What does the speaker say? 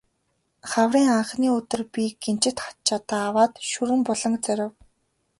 Хаврын анхны өдөр би гинжит жадаа аваад Шүрэн буланг зорив.